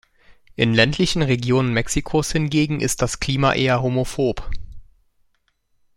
In ländlichen Regionen Mexikos hingegen ist das Klima eher homophob.